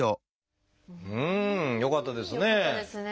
うん！よかったですね。